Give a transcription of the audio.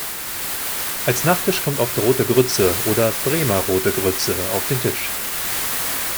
Als Nachtisch kommt oft Rote Grütze oder "Bremer Rote Grütze" auf den Tisch.